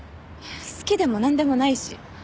好きでもなんでもないし。